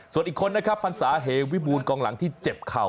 ส่วนอีกคนนะครับพรรษาเหวิบูรณกองหลังที่เจ็บเข่า